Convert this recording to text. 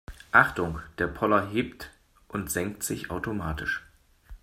Achtung, der Poller hebt und senkt sich automatisch.